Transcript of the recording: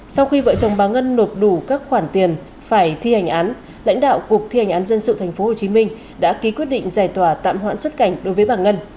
sau khi vợ chồng bà ngân nộp đủ các khoản tiền phải thi hành án lãnh đạo cục thi hành án dân sự tp hcm đã ký quyết định giải tòa tạm hoãn xuất cảnh đối với bà ngân